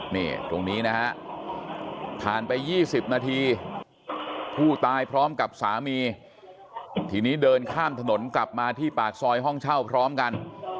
นี่ตรงนี้นะฮะผ่านไป๒๐นาทีผู้ตายพร้อมกับสามีทีนี้เดินข้ามถนนกลับมาที่ปากซอยห้องเช่าพร้อมกัน